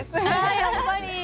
やっぱり！